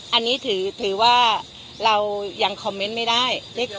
อันนี้ถือว่าเรายังคอมเมนต์ไม่ได้